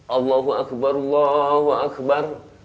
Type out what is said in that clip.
allahu akbar allahu akbar